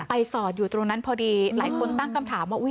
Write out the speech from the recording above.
สอดอยู่ตรงนั้นพอดีหลายคนตั้งคำถามว่า